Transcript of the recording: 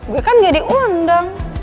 gue kan nggak diundang